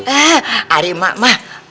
eh ari mak mak